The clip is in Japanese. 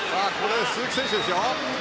鈴木選手ですよ。